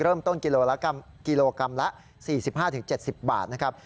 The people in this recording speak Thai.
เริ่มต้นกิโลกรัมละ๔๕๗๐บาทนะครับ